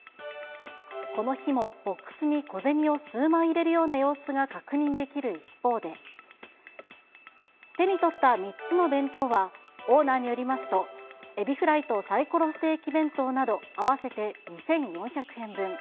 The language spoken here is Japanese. この日もボックスに小銭を数枚入れるような様子が確認できる一方で、手に取った３つの弁当は、オーナーによりますと、海老フライとサイコロステーキ弁当など、合わせて２４００円分。